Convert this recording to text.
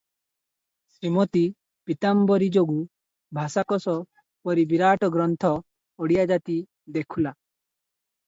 ଶ୍ରୀମତୀ ପୀତାମ୍ବରୀ ଯୋଗୁଁ ଭାଷାକୋଷ ପରି ବିରାଟ ଗ୍ରନ୍ଥ ଓଡ଼ିଆ ଜାତି ଦେଖୂଲା ।